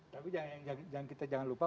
tapi jangan kita lupa